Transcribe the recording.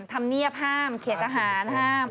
ทำเงียบห้ามเขตอาหารห้าม